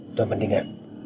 udah mending ya